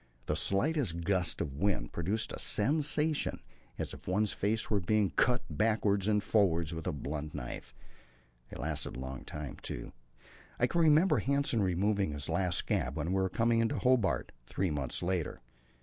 The slightest gust of wind produced a sensation as if one's face were being cut backwards and forwards with a blunt knife. They lasted a long time, too; I can remember Hanssen removing the last scab when we were coming into Hobart three months later.